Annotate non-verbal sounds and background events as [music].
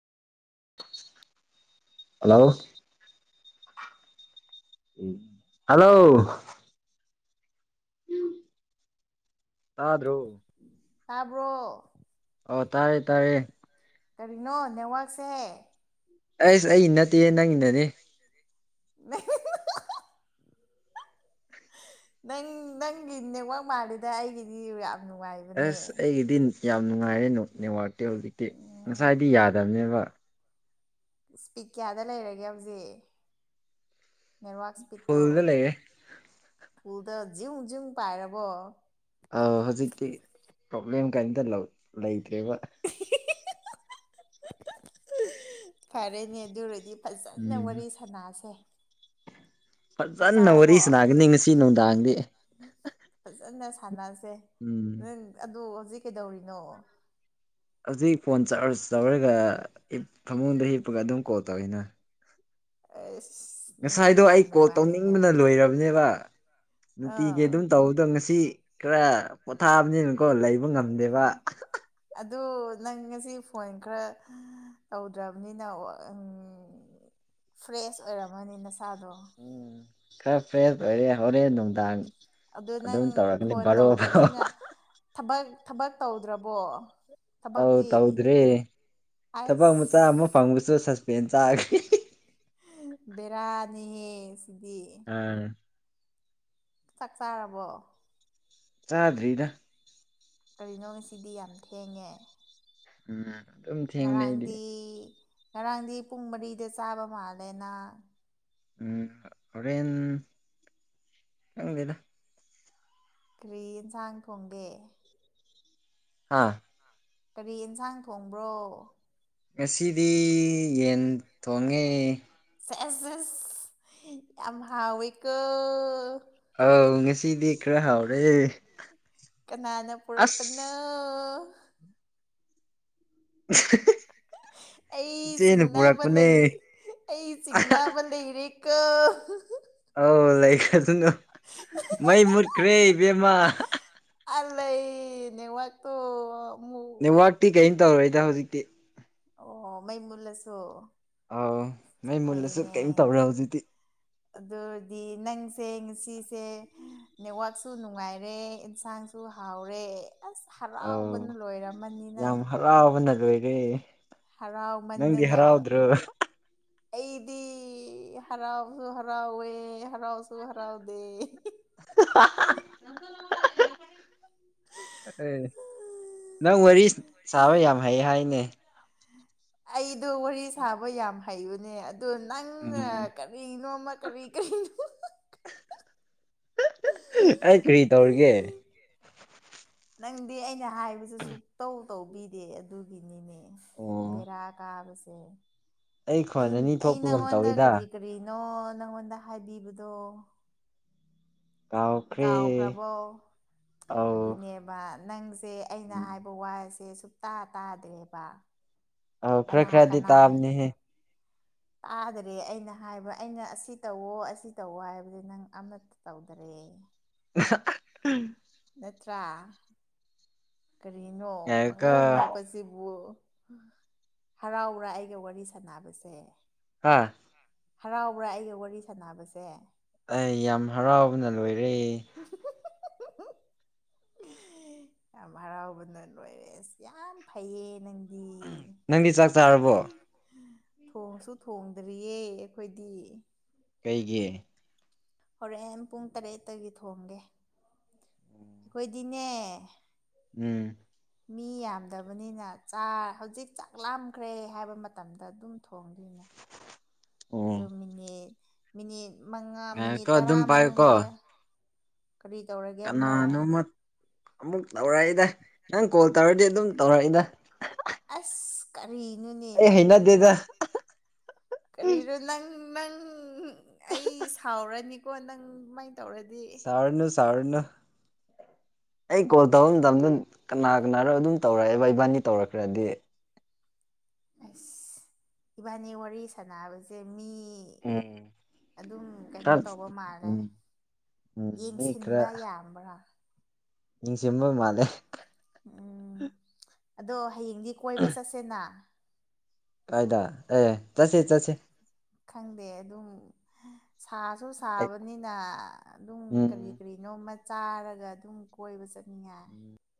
hello hello ꯑ꯭ꯔꯣ ꯇꯥꯕ꯭ꯔꯣ ꯑꯣ ꯇꯥꯥꯏꯔꯦ ꯇꯥꯥꯏꯔꯌꯦꯦ ꯀꯔꯤꯅꯣ ꯅꯦꯋꯥꯁꯦ ꯑꯩꯁ ꯑꯩ ꯏ ꯅꯠꯇꯦ ꯅꯪ ꯏꯟꯅꯅꯤ [unintelligible] ꯅꯪ ꯅꯪꯒꯤ ꯅꯦꯛꯠꯋꯥꯛ ꯃꯥꯜꯜꯂꯤꯗ ꯑꯩꯒꯤꯗꯤ ꯌꯥꯝ ꯅꯨꯡꯉꯥꯏꯕꯅꯦ ꯑꯁ ꯑꯩꯒꯤꯗꯤ ꯌꯥꯝ ꯅꯨꯡꯉꯥꯏꯔꯅꯨ ꯅꯦꯠꯋꯥꯔꯇꯤ ꯍꯧꯖꯤꯛꯇꯤ ꯎꯝ ꯉꯁꯥꯏꯗꯤ ꯌꯥꯗꯕꯅꯦꯕ ꯏꯁꯄꯤꯛ ꯀꯌꯥꯗ ꯂꯩꯔꯒꯦ ꯍꯧꯖꯤꯛ ꯅꯦꯠꯋꯛ ꯏꯁꯄꯤꯠꯇꯣ ꯐꯨꯜꯗ ꯂꯩꯔꯦ ꯐꯨꯜꯗ ꯖꯨꯡ ꯖ꯭ꯨꯡ ꯄꯥꯏꯔꯕꯣ ꯑ ꯍꯧꯖꯤꯛꯇꯤ ꯄ꯭ꯔꯣꯕ꯭ꯂꯦꯝ ꯀꯔꯤꯝꯇ ꯂꯩꯇ꯭ꯔꯦꯕ ꯐꯔꯦꯅꯦ ꯑꯗꯨꯔꯗꯤ ꯐꯖꯅ ꯋꯥꯔꯤ ꯎꯝ ꯁꯥꯅꯁꯦ ꯐꯖꯅ ꯋꯥꯔꯤ ꯁꯥꯅꯥꯒꯅꯤ ꯉꯁꯤ ꯅꯨꯡꯗꯥꯡꯗꯤ ꯐꯖꯅ ꯁꯥꯟꯅꯁꯦ ꯎꯝ ꯅꯪ ꯑꯗꯨ ꯍꯧꯖꯤꯛ ꯀꯩꯗꯧꯔꯤꯅꯣ ꯍꯧꯖꯤꯛ ꯐꯣꯟ ꯆꯥꯔꯖ ꯇꯧꯔꯒ ꯐꯃꯨꯡꯗ ꯍꯤꯞꯄꯒ ꯑꯗꯨꯝ ꯀꯣꯜ ꯇꯧꯏꯤꯅ ꯑ ꯉꯁꯥꯏꯗꯣ ꯑꯩ ꯀꯣꯜ ꯇꯧꯅꯤꯡꯕꯅ ꯂꯣꯏꯔꯕꯅꯦꯕ ꯅꯨꯡꯇꯤꯒꯤ ꯑꯥ ꯑꯗꯨꯝ ꯇꯧꯕꯗꯣ ꯉꯁꯤ ꯈꯔ ꯄꯣꯊꯥꯕꯅꯤꯅ ꯀꯣ ꯂꯩꯕ ꯉꯝꯗꯦꯕ ꯎꯝ ꯑꯗꯨ ꯅꯪ ꯉꯁꯤ ꯐꯣꯟ ꯈꯔ ꯇꯧꯗ꯭ꯔꯕꯅꯤꯅ ꯐ꯭ꯔꯦꯁ ꯑꯣꯏꯔꯝꯃꯅꯤ ꯅꯁꯥꯗꯣ ꯎꯝ ꯈꯔ ꯐ꯭ꯔꯦꯁ ꯑꯣꯏꯔꯦ ꯍꯧꯔꯦꯟ ꯅꯨꯅꯨꯡꯗꯥꯥꯡ ꯑꯗꯨ ꯅꯪ ꯐꯣꯟ ꯇꯧꯗ꯭ꯔꯕꯅꯤꯅ ꯊꯕꯛ ꯊꯕꯛ ꯇꯧꯗ꯭ꯔꯕꯣ ꯊꯕꯛꯇꯤ ꯍꯥꯎꯗꯥꯎꯗ꯭ꯔꯔꯤ ꯇꯕ ꯃꯆꯥ ꯑꯃ ꯑꯁ ꯐꯃꯁꯨ ꯁꯁ ꯐꯦꯟ ꯆ ꯕꯦꯔꯥꯅꯤꯍꯦꯁ ꯑꯝ ꯆꯥꯛ ꯆꯥꯔꯕꯣ ꯆꯥꯗ꯭ꯔꯤꯗ ꯀꯔꯤꯅꯣ ꯉꯁꯤꯗꯤ ꯌꯥꯝ ꯊꯦꯡꯉꯦ ꯎꯝ ꯑꯗꯨꯝ ꯊꯦꯡꯅ ꯑꯩꯗꯤ ꯉꯔꯥꯡꯗꯤ ꯉꯔꯥꯡꯗꯤ ꯄꯨꯡ ꯃꯔꯤꯗ ꯆꯥꯕ ꯃꯥꯜꯂꯦꯅ ꯎꯝ ꯍꯣꯔꯦꯟ ꯆ ꯂꯩꯣꯏꯗ ꯀꯔꯤ ꯌꯦꯟꯁꯥꯡ ꯊꯣꯡꯒꯦ ꯍꯥꯥ ꯀꯔꯤ ꯑꯦꯟꯁꯥꯡ ꯊꯣꯡꯕ꯭ꯔꯣ ꯉꯁꯤꯗꯤ ꯌꯦꯟ ꯊꯣꯡꯉꯦ ꯑꯦꯁ ꯌꯥꯝ ꯍꯥꯎꯤꯀ ꯑꯥꯎ ꯉꯁꯤꯗꯤ ꯈꯔ ꯍꯥꯎꯔꯦ ꯀꯅꯥꯅ ꯑꯁ ꯄꯨꯔꯛꯄꯅꯣ ꯑꯩ ꯏꯆꯦꯅ ꯆꯤꯡꯅꯕ ꯄꯨꯔꯛꯄꯅꯦ ꯂꯩ ꯑꯩ ꯆꯤꯡꯅꯕ ꯂꯩꯔꯦ ꯀ ꯑꯣꯧ ꯂꯩꯈꯗꯅꯨ ꯃꯩ ꯃꯨꯠꯈ꯭ꯔꯦ ꯏꯕꯦꯝꯃꯥ ꯑꯂ ꯅꯋꯥꯒ ꯇꯨ ꯅꯦꯠꯋꯥꯛꯇꯤ ꯀꯔꯤꯝ ꯇꯧꯔꯣꯏꯗ ꯍꯧꯖꯤꯛꯇꯤ ꯑꯣ ꯃꯩ ꯃꯨꯜꯂꯁꯨ ꯑꯥꯎ ꯃꯩ ꯃꯨꯜꯂꯁꯨ ꯀꯩꯝ ꯇꯧꯔꯦ ꯍꯧꯖꯤꯛꯇꯤ ꯁꯦꯡ ꯁꯤꯁꯦ ꯅꯦꯠꯋꯥꯛꯁꯨ ꯅꯨꯡꯉꯥꯏꯔꯦ ꯑꯦꯟꯁꯥꯡꯁꯨ ꯍꯥꯎꯔꯦ ꯑꯁ ꯑꯥꯎ ꯍꯔꯥꯎꯕꯅ ꯂꯣꯏꯔꯝꯃꯅꯤꯅꯪ ꯗꯤꯦ ꯍꯔꯥꯎꯃꯟꯗꯅ ꯑꯩꯗꯤ ꯍꯔꯥꯎꯁꯨ ꯍꯔꯥꯎꯋꯦ ꯍꯔꯥꯎꯁꯨ ꯍꯔꯥꯎꯗꯦ ꯑꯦ ꯅꯪ ꯋꯥꯔꯤ ꯁꯥꯥꯕ ꯌꯥꯝ ꯍꯩ ꯍꯥꯏꯅꯦ ꯑꯩꯗꯣ ꯋꯥꯔꯤ ꯁꯥꯕ ꯌꯥꯝ ꯍꯩꯕꯅꯦ ꯑꯗꯣ ꯅꯪ ꯎꯝ ꯀꯔꯤꯅꯣ ꯀꯔꯤ ꯀꯔꯤꯅ ꯑꯩ ꯀꯔꯤ ꯇꯧꯔꯒꯦ ꯅꯪꯗꯤ ꯑꯩꯅ ꯍꯥꯏꯕꯁꯨ ꯁꯨꯛꯇꯧ ꯇꯧꯕꯤꯗꯦ ꯑꯗꯨꯒꯤꯅꯤꯅꯦ ꯑꯣ ꯕꯦꯔꯥ ꯀꯥꯕꯁꯦ ꯑꯩ ꯈꯣꯟ ꯑꯅꯤ ꯊꯣꯛꯄꯒꯨꯝ ꯇꯧꯋꯤꯗ ꯅ ꯅꯪꯉꯣꯟꯗ ꯍꯥꯏꯕꯤꯕꯗꯣ ꯀꯥꯎꯈ꯭ꯔꯦ ꯀꯥꯎꯈ꯭ꯔꯕꯣ ꯑꯧ ꯑꯗꯨꯅꯦꯕ ꯅꯪꯁꯦ ꯑꯩꯅ ꯎꯝ ꯍꯥꯏꯕ ꯋꯥꯁꯦ ꯁꯨꯇꯥ ꯇꯥꯗ꯭ꯔꯦꯕ ꯑ ꯈꯔ ꯈꯔꯗꯤ ꯇꯥꯕꯅꯤꯍꯦ ꯇꯥꯗ꯭ꯔꯦ ꯑꯩꯅ ꯍꯥꯏꯕ ꯑꯩꯅ ꯑꯁꯤ ꯇꯧꯋꯣ ꯑꯁꯤ ꯇꯧꯋ ꯍꯥꯏꯕꯁ ꯅꯪ ꯑꯃꯠꯇ ꯇꯧꯗꯔꯦ ꯑ ꯅꯠꯇ꯭ꯔꯥ ꯀꯔꯤꯅꯣ ꯉꯥꯏꯌꯨꯀꯣ ꯄꯪꯉꯧ ꯉꯣꯛꯄꯁꯤꯕꯨ ꯍꯔꯥꯎꯔꯥ ꯑꯩꯒ ꯋꯥꯔꯤ ꯁꯥꯟꯅꯕꯁꯦ ꯍꯥꯥ ꯍꯔꯥꯎꯕ꯭ꯔꯥ ꯑꯩꯒ ꯋꯥꯔꯤ ꯁꯥꯟꯅꯕꯁꯦ ꯑꯩ ꯌꯥꯝ ꯍꯔꯥꯎꯕꯅ ꯂꯣꯏꯔꯦ [unintelligible] [unintelligible] ꯌꯥꯝ ꯍꯔꯥꯎꯕꯅ ꯑꯣꯏꯔꯦ ꯑꯁ ꯌꯥꯝ ꯐꯩꯌꯦ ꯅꯪ ꯅꯪꯗꯤ ꯆꯥꯛ ꯆꯥꯔꯕꯣ ꯊꯣꯡꯁꯨ ꯊꯣꯡꯗ꯭ꯔꯤꯌꯦ ꯑꯩꯈꯣꯏꯗꯤ ꯀꯩꯒꯤ ꯍꯣꯔꯛ ꯑꯦꯝ ꯄꯨꯡ ꯇꯔꯦꯠꯇꯒꯤ ꯊꯣꯡꯒꯦ ꯑꯩꯈꯣꯏꯗꯤꯅꯦ ꯎꯝ ꯃꯤ ꯌꯥꯝꯗꯕꯅꯤꯅ ꯆꯥ ꯍꯧꯖꯤꯛ ꯆꯥꯛ ꯂꯥꯝꯈ꯭ꯔꯦ ꯍꯥꯏꯕ ꯃꯇꯝꯗ ꯑꯗꯨꯝ ꯊꯣꯡꯂꯤ ꯑꯣ ꯑꯗꯨ ꯃꯤꯅꯤꯠ ꯃꯤꯅꯤꯠ ꯃꯉꯥ ꯃꯤꯅꯤꯠ ꯉꯥꯏꯈꯣ ꯇꯔꯥ ꯑꯗꯨꯝ ꯄꯥꯏꯌꯨꯀꯣ ꯃꯅꯨꯡꯗ ꯀꯔꯤ ꯇꯧꯔꯒꯦ ꯑꯃꯃꯣ ꯀꯅꯥꯅꯣꯃ ꯑꯃꯨꯛ ꯇꯧꯔꯛꯏꯗ ꯅꯪ ꯀꯣꯜ ꯇꯧꯔꯗꯤ ꯑꯗꯨꯝ ꯇꯧꯔꯛꯏꯗ ꯑꯁ ꯀꯔꯤꯅꯣꯅꯦ ꯑꯩ ꯅꯪꯁꯨ ꯍꯩꯅꯗꯦꯗ ꯀꯔꯤꯅꯣ ꯅꯪ ꯅꯪ ꯑꯩ ꯁꯥꯎꯔꯅꯤꯀꯣ ꯅꯪ ꯀꯃꯥꯏꯅ ꯇꯧꯔꯗꯤ ꯆꯥꯔꯅ ꯑꯩ ꯀꯣꯜ ꯇꯧꯕ ꯃꯇꯝꯗ ꯀꯅꯥ ꯀꯅꯥꯅꯣ ꯑꯗꯨꯝ ꯇꯧꯔꯛꯑꯦꯕ ꯏꯕꯥꯅꯤ ꯇꯧꯔꯛꯈ꯭ꯔꯗꯤ ꯑꯁ ꯏꯕꯥꯅꯤ ꯋꯥꯔꯤ ꯁꯥꯟꯅꯕꯁꯦ ꯃꯤ ꯎꯝ ꯑꯗꯨꯝ ꯈꯔ ꯀꯩꯅꯣ ꯇꯧꯕ ꯃꯥꯜꯂꯦ ꯎꯝ ꯎꯝ ꯌꯦꯡꯁꯤꯟꯕ ꯌꯥꯝꯕ꯭ꯔꯥ ꯏ ꯁꯤꯃ ꯃꯥꯂꯦ ꯎꯝ ꯑꯗꯣ ꯍꯌꯦꯡꯗꯤ ꯀꯣꯏꯕ ꯆꯠꯁꯦꯅ ꯀꯥꯏꯗ ꯑꯦ ꯆꯁꯤ ꯆꯁꯤ ꯈꯪꯗꯦ ꯑꯗꯨꯝ ꯁꯥꯁꯨ ꯁꯥꯕꯅꯤꯅ ꯑꯗꯨꯝ ꯀꯔꯤ ꯎꯝ ꯀꯔꯤꯅꯣꯝꯃ ꯆꯥꯔꯒ ꯑꯗꯨꯝ ꯀꯣꯏꯕ ꯆꯠ ꯄꯌꯥꯏ